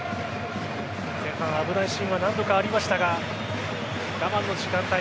前半は危ないシーンは何度かありましたが我慢の時間帯